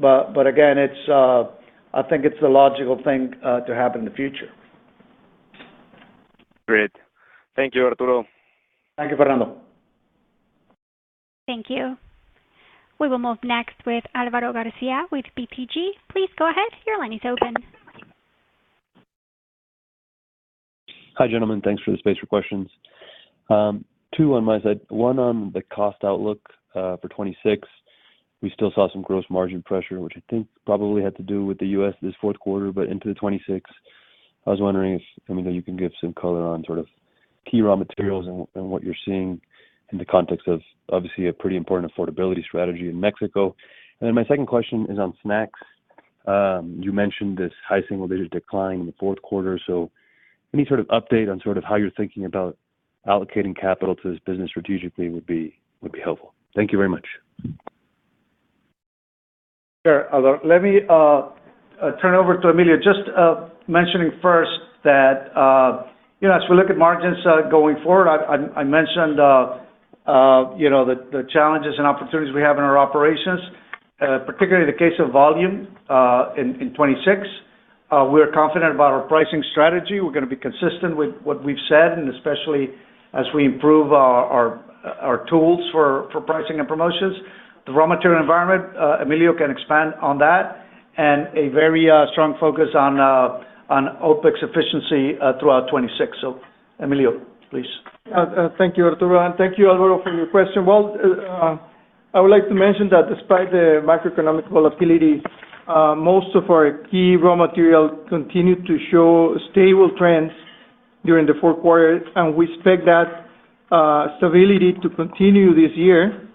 But again, I think it's the logical thing to happen in the future. Great. Thank you, Arturo. Thank you, Fernando. Thank you. We will move next with Álvaro García with BTG. Please go ahead. Your line is open. Hi, gentlemen. Thanks for the space for questions. Two on my side. One, on the cost outlook, for 2026. We still saw some gross margin pressure, which I think probably had to do with the U.S. this fourth quarter, but into 2026. I was wondering if, I mean, you can give some color on sort of key raw materials and what you're seeing in the context of, obviously, a pretty important affordability strategy in Mexico. And then my second question is on snacks. You mentioned this high single-digit decline in the fourth quarter. So any sort of update on sort of how you're thinking about allocating capital to this business strategically would be helpful. Thank you very much. Sure, Alvaro. Let me turn over to Emilio. Just mentioning first that, you know, as we look at margins going forward, I mentioned you know, the challenges and opportunities we have in our operations, particularly the case of volume in 2026. We are confident about our pricing strategy. We're gonna be consistent with what we've said, and especially as we improve our tools for pricing and promotions. The raw material environment, Emilio can expand on that, and a very strong focus on OpEx efficiency throughout 2026. So Emilio, please. Thank you, Arturo, and thank you, Alvaro, for your question. Well, I would like to mention that despite the macroeconomic volatility, most of our key raw materials continued to show stable trends during the fourth quarter, and we expect that stability to continue this year.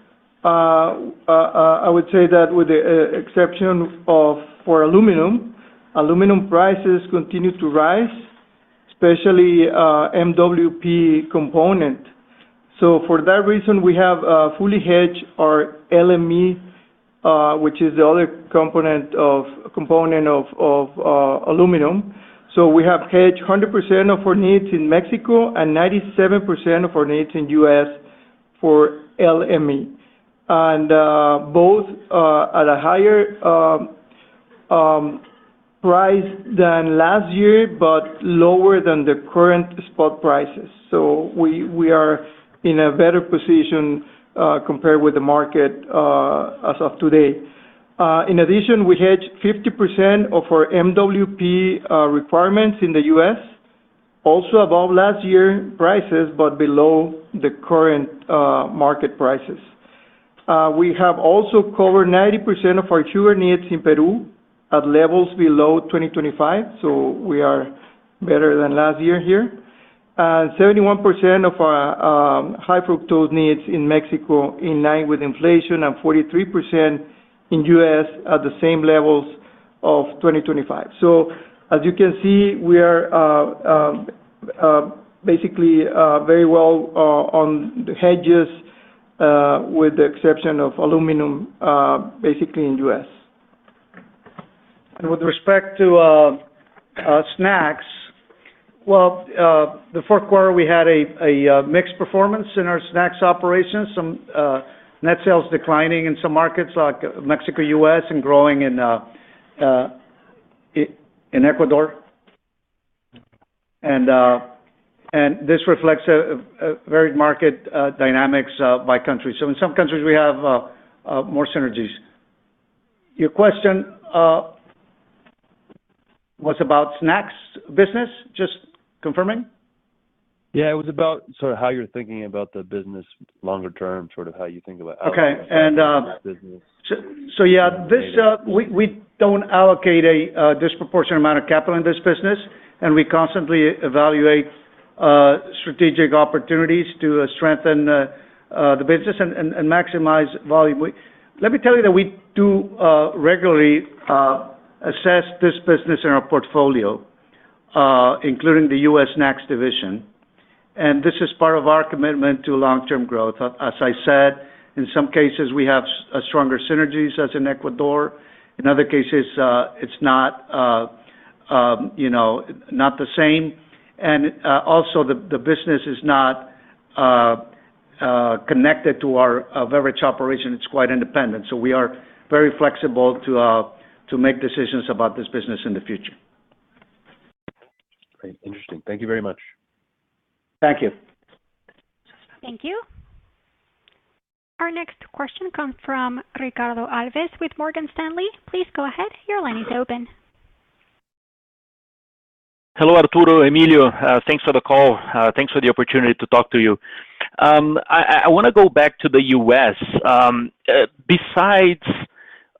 I would say that with the exception of aluminum, aluminum prices continue to rise, especially MWP component. So for that reason, we have fully hedged our LME, which is the other component of aluminum. So we have hedged 100% of our needs in Mexico and 97% of our needs in U.S. for LME. And both at a higher price than last year, but lower than the current spot prices. So we are in a better position compared with the market as of today. In addition, we hedged 50% of our MWP requirements in the U.S., also above last year prices, but below the current market prices. We have also covered 90% of our sugar needs in Peru at levels below 2025, so we are better than last year here. 71% of our high fructose needs in Mexico, in line with inflation, and 43% in U.S. at the same levels of 2025. So as you can see, we are basically very well on the hedges, with the exception of aluminum, basically in U.S. And with respect to snacks, well, the fourth quarter, we had mixed performance in our snacks operations. Some net sales declining in some markets like Mexico, U.S., and growing in Ecuador. And this reflects a varied market dynamics by country. So in some countries, we have more synergies. Your question was about snacks business? Just confirming. Yeah, it was about sort of how you're thinking about the business longer term, sort of how you think about. Okay, and. That business. We don't allocate a disproportionate amount of capital in this business, and we constantly evaluate strategic opportunities to strengthen the business and maximize volume. Let me tell you that we do regularly assess this business in our portfolio, including the U.S. Snacks division, and this is part of our commitment to long-term growth. As I said, in some cases, we have stronger synergies, as in Ecuador. In other cases, it's not, you know, not the same. And also, the business is not connected to our various operations. It's quite independent, so we are very flexible to make decisions about this business in the future. Great. Interesting. Thank you very much. Thank you. Thank you. Our next question comes from Ricardo Alves with Morgan Stanley. Please go ahead. Your line is open. Hello, Arturo, Emilio. Thanks for the call. Thanks for the opportunity to talk to you. I want to go back to the U.S. Besides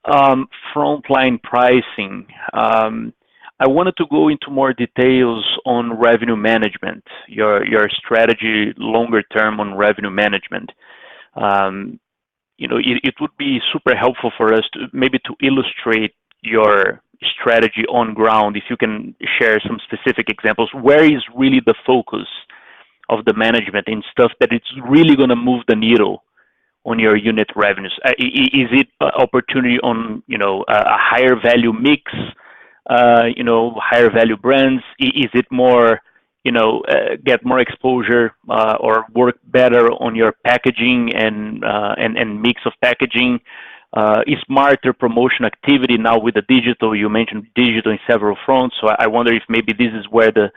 frontline pricing, I wanted to go into more details on revenue management, your strategy longer term on revenue management. You know, it would be super helpful for us to maybe illustrate your strategy on ground, if you can share some specific examples. Where is really the focus of the management in stuff that it's really gonna move the needle on your unit revenues? Is it opportunity on, you know, a higher value mix, you know, higher value brands? Is it more, you know, get more exposure, or work better on your packaging and mix of packaging? Is smarter promotion activity now with the digital? You mentioned digital in several fronts, so I wonder if maybe this is where the...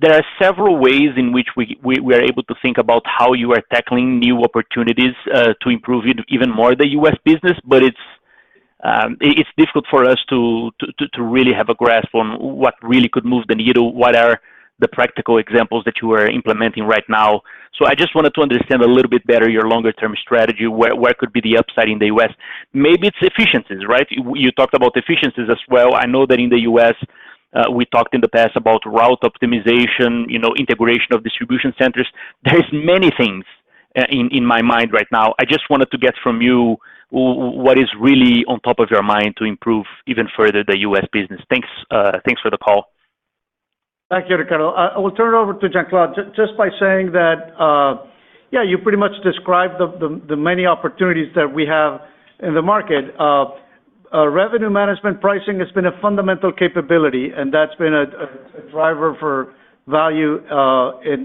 There are several ways in which we are able to think about how you are tackling new opportunities to improve even more the U.S. business, but it's, it, it's difficult for us to really have a grasp on what really could move the needle. What are the practical examples that you are implementing right now? So I just wanted to understand a little bit better your longer-term strategy. Where could be the upside in the U.S.? Maybe it's efficiencies, right? You talked about efficiencies as well. I know that in the U.S., we talked in the past about route optimization, you know, integration of distribution centers. There is many things in my mind right now. I just wanted to get from you what is really on top of your mind to improve even further the U.S. business. Thanks, thanks for the call. Thank you, Ricardo. I will turn it over to Jean Claude. Just by saying that, yeah, you pretty much described the many opportunities that we have in the market. A revenue management pricing has been a fundamental capability, and that's been a driver for value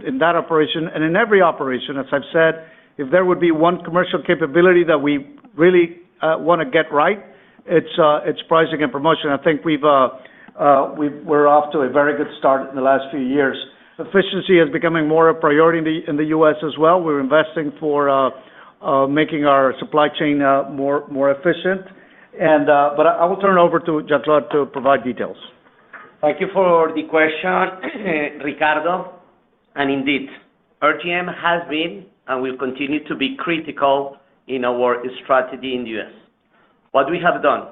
in that operation. And in every operation, as I've said, if there would be one commercial capability that we really wanna get right, it's pricing and promotion. I think we're off to a very good start in the last few years. Efficiency is becoming more a priority in the U.S. as well. We're investing for making our supply chain more efficient. But I will turn it over to Jean Claude to provide details. Thank you for the question, Ricardo. Indeed, RGM has been, and will continue to be critical in our strategy in the U.S. What we have done?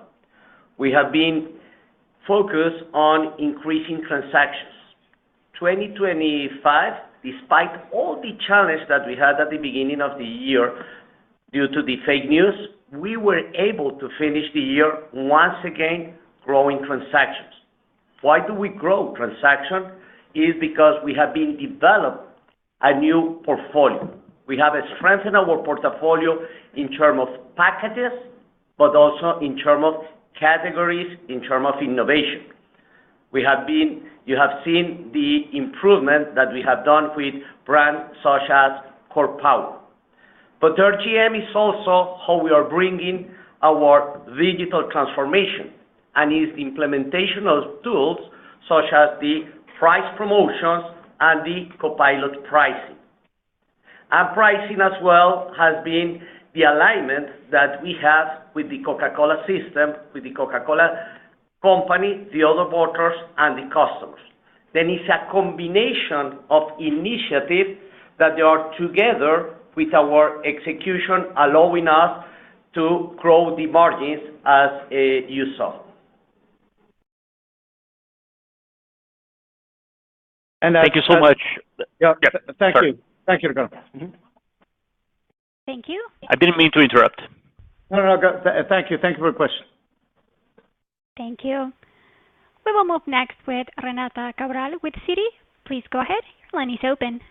We have been focused on increasing transactions. 2025, despite all the challenges that we had at the beginning of the year due to the fake news, we were able to finish the year, once again, growing transactions. Why do we grow transactions? It is because we have been developing a new portfolio. We have strengthened our portfolio in terms of packages, but also in terms of categories, in terms of innovation. You have seen the improvement that we have done with brands such as Core Power. But RGM is also how we are bringing our digital transformation and the implementation tools such as the price promotions and the copilot pricing. Pricing as well has been the alignment that we have with the Coca-Cola system, with the Coca-Cola Company, the other bottlers, and the customers. There is a combination of initiatives that they are together with our execution, allowing us to grow the margins as you saw. And, uh- Thank you so much. Yeah. Yeah. Thank you. Thank you, Ricardo. Mm-hmm. Thank you. I didn't mean to interrupt. No, no, go... Thank you, thank you for the question. Thank you. We will move next with Renata Cabral with Citi. Please go ahead. Line is open.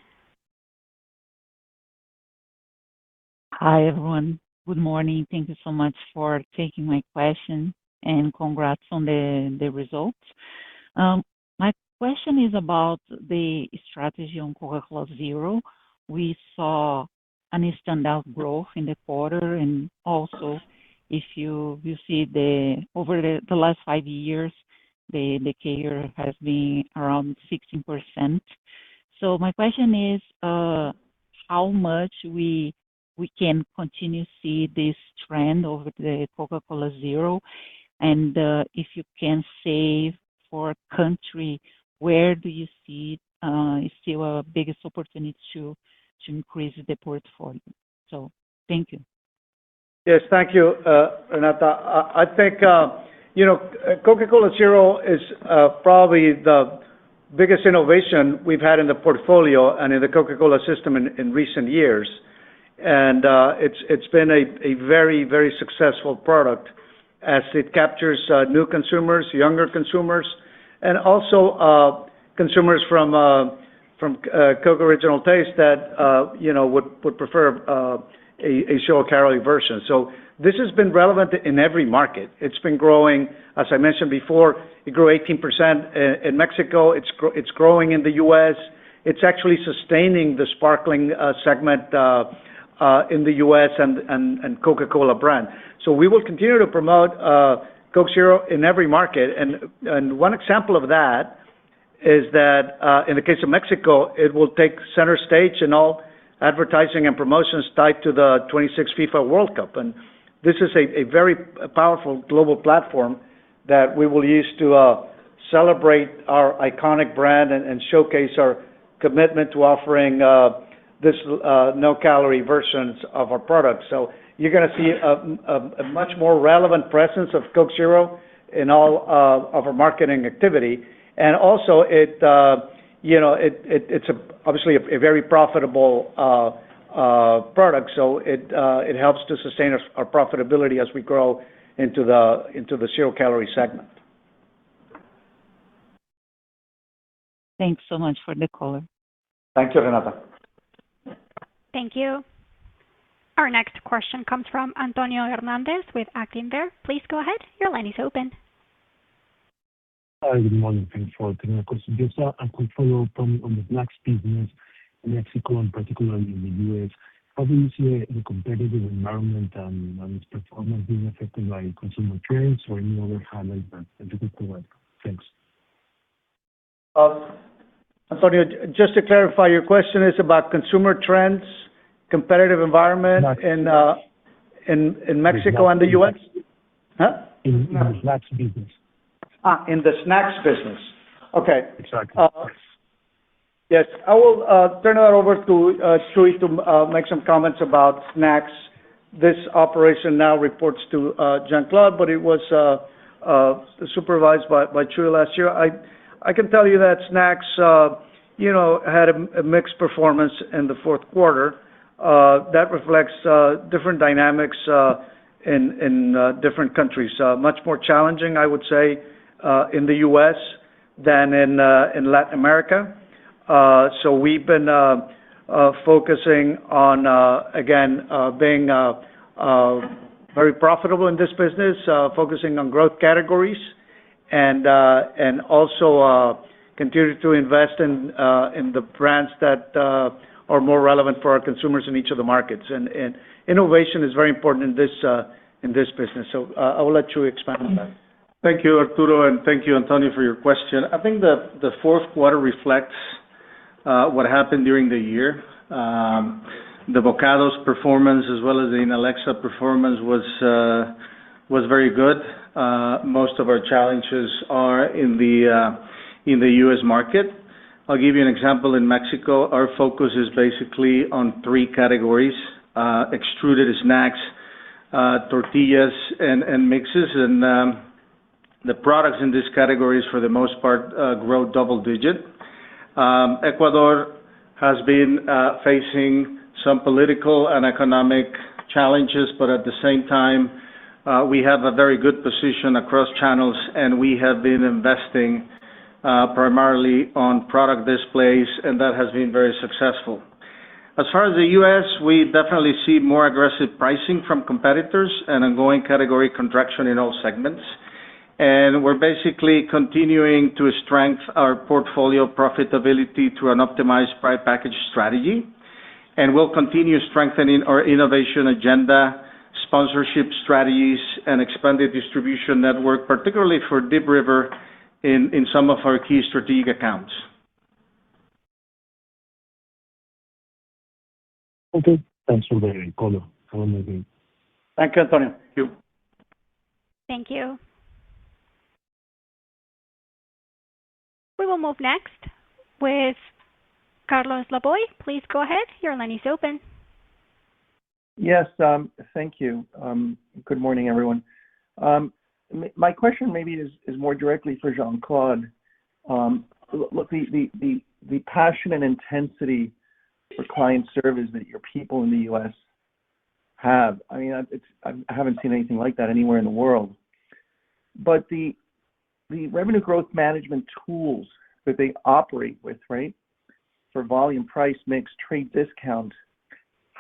Hi, everyone. Good morning. Thank you so much for taking my question, and congrats on the results. My question is about the strategy on Coca-Cola Zero. We saw an standout growth in the quarter, and also if you see the over the last five years, the CAGR has been around 16%. So my question is, how much we can continue to see this trend over the Coca-Cola Zero, and if you can say for country, where do you see a biggest opportunity to increase the portfolio? So thank you. Yes, thank you, Renata. I, I think, you know, Coca-Cola Zero is probably the biggest innovation we've had in the portfolio and in the Coca-Cola system in, in recent years. And, it's, it's been a, a very, very successful product as it captures, new consumers, younger consumers, and also, consumers from, from, Coke Original Taste that, you know, would, would prefer, a, a zero-calorie version. So this has been relevant in every market. It's been growing, as I mentioned before, it grew 18% in Mexico. It's growing in the U.S. It's actually sustaining the sparkling, segment, in the U.S. and, and, and Coca-Cola brand. So we will continue to promote, Coke Zero in every market. And one example of that is that, in the case of Mexico, it will take center stage in all advertising and promotions tied to the 2026 FIFA World Cup. And this is a very powerful global platform that we will use to celebrate our iconic brand and showcase our commitment to offering this no-calorie versions of our products. So you're gonna see a much more relevant presence of Coke Zero in all of our marketing activity. And also, it you know, it's obviously a very profitable product, so it helps to sustain our profitability as we grow into the zero-calorie segment. Thanks so much for the call. Thank you, Renata. Thank you. Our next question comes from Antonio Hernández with Actinver. Please go ahead. Your line is open. Hi, good morning. Thank you for taking our question. Just a quick follow-up on the snacks business in Mexico and particularly in the U.S. How do you see the competitive environment and its performance being affected by consumer trends or any other highlight that you look forward? Thanks. Antonio, just to clarify, your question is about consumer trends, competitive environment- Snacks. in Mexico and the U.S.? In snacks business. In the snacks business. Okay. Exactly. Yes, I will turn that over to Chuy to make some comments about snacks. This operation now reports to Jean Claude, but it was supervised by Chuy last year. I can tell you that snacks, you know, had a mixed performance in the fourth quarter. That reflects different dynamics in different countries. Much more challenging, I would say, in the U.S. than in Latin America. So we've been focusing on, again, being very profitable in this business, focusing on growth categories, and also continue to invest in the brands that are more relevant for our consumers in each of the markets. Innovation is very important in this business. I will let Chuy expand on that. Thank you, Arturo, and thank you, Antonio, for your question. I think the fourth quarter reflects what happened during the year. The Bokados performance, as well as the Inalecsa performance, was very good. Most of our challenges are in the U.S. market. I'll give you an example. In Mexico, our focus is basically on three categories: extruded snacks, tortillas and mixes. The products in these categories, for the most part, grow double digit. Ecuador has been facing some political and economic challenges, but at the same time, we have a very good position across channels, and we have been investing primarily on product displays, and that has been very successful. As far as the U.S., we definitely see more aggressive pricing from competitors and ongoing category contraction in all segments. We're basically continuing to strengthen our portfolio profitability through an optimized private package strategy. We'll continue strengthening our innovation agenda, sponsorship strategies, and expanded distribution network, particularly for Deep River in some of our key strategic accounts. Okay. Thanks for the call. I will maybe. Thank you, Antonio. Thank you. Thank you. We will move next with Carlos Laboy. Please go ahead. Your line is open. Yes, thank you. Good morning, everyone. My question maybe is more directly for Jean-Claude. Look, the passion and intensity for client service that your people in the U.S. have, I mean, it's, I haven't seen anything like that anywhere in the world. But the revenue growth management tools that they operate with, right? For volume, price, mix, trade, discount,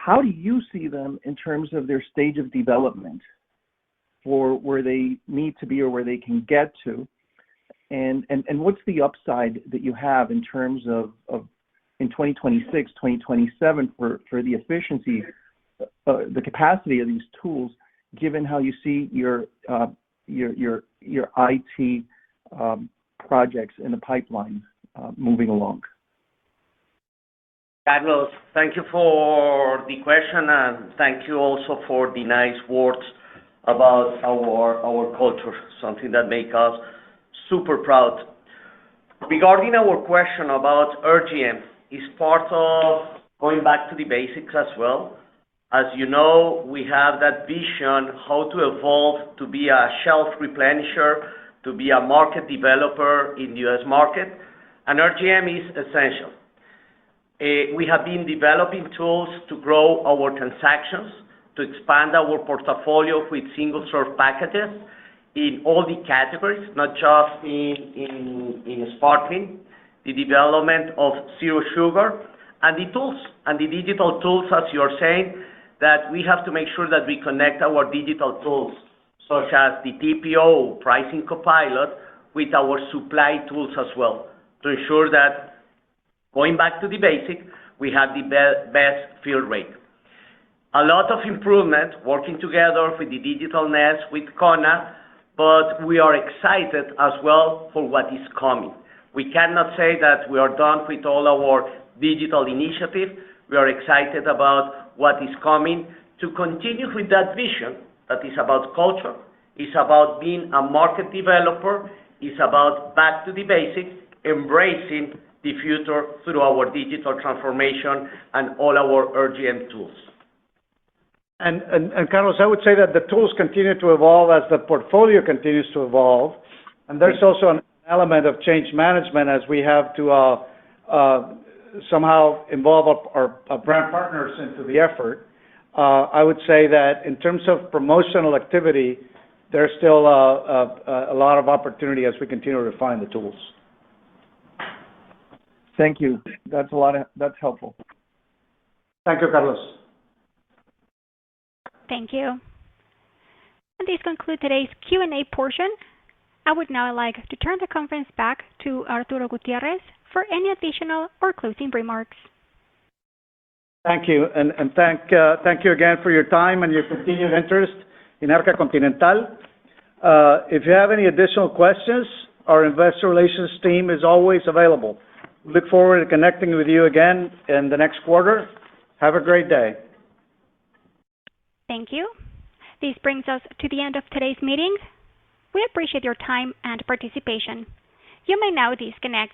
how do you see them in terms of their stage of development or where they need to be or where they can get to? And what's the upside that you have in terms of in 2026, 2027, for the efficiency, the capacity of these tools, given how you see your IT projects in the pipeline moving along? Carlos, thank you for the question, and thank you also for the nice words about our, our culture, something that make us super proud. Regarding our question about RGM, is part of going back to the basics as well. As you know, we have that vision, how to evolve to be a shelf replenisher, to be a market developer in the U.S. market, and RGM is essential. We have been developing tools to grow our transactions, to expand our portfolio with single serve packages in all the categories, not just in sparkling, the development of zero sugar. And the digital tools, as you're saying, that we have to make sure that we connect our digital tools, such as the TPO, Pricing Copilot, with our supply tools as well, to ensure that going back to the basics, we have the best fill rate. A lot of improvement working together with the Digital Next, with CONA, but we are excited as well for what is coming. We cannot say that we are done with all our digital initiatives. We are excited about what is coming to continue with that vision that is about culture. It's about being a market developer. It's about back to the basics, embracing the future through our digital transformation and all our RGM tools. Carlos, I would say that the tools continue to evolve as the portfolio continues to evolve. And there's also an element of change management as we have to somehow involve our brand partners into the effort. I would say that in terms of promotional activity, there's still a lot of opportunity as we continue to refine the tools. Thank you. That's a lot of... That's helpful. Thank you, Carlos. Thank you. This concludes today's Q&A portion. I would now like to turn the conference back to Arturo Gutiérrez for any additional or closing remarks. Thank you. Thank you again for your time and your continued interest in Arca Continental. If you have any additional questions, our investor relations team is always available. We look forward to connecting with you again in the next quarter. Have a great day. Thank you. This brings us to the end of today's meeting. We appreciate your time and participation. You may now disconnect.